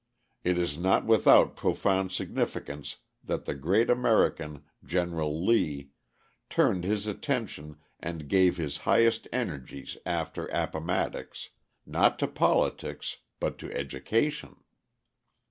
It is not without profound significance that the great American, General Lee, turned his attention and gave his highest energies after Appomattox, not to politics, but to education.